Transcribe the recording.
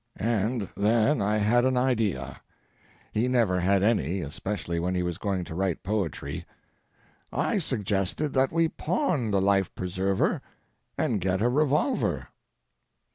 And then I had an idea—he never had any, especially when he was going to write poetry; I suggested that we pawn the life preserver and get a revolver.